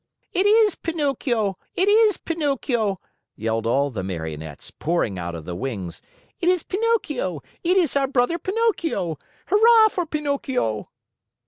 "It is Pinocchio! It is Pinocchio!" yelled all the Marionettes, pouring out of the wings. "It is Pinocchio. It is our brother Pinocchio! Hurrah for Pinocchio!"